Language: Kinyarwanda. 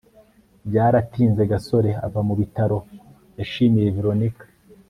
byaratinze gasore ava mu bitaro. yashimiye veronika